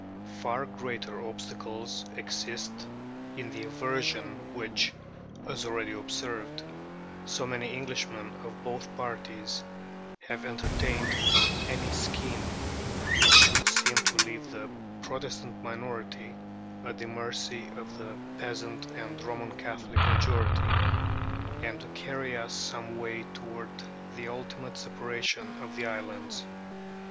Far greater obstacles exist in the aversion which (as already observed) so many Englishmen of both parties have entertained for any scheme which should seem to leave the Protestant minority at the mercy of the peasant and Roman Catholic majority, and to carry us some way toward the ultimate separation of the islands.